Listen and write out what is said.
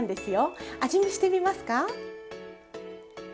味見してみますか？